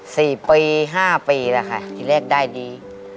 ๔ปี๕ปีแหละค่ะที่แรกได้ดี